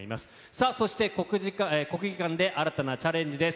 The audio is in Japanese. さあ、そして国技館で新たなチャレンジです。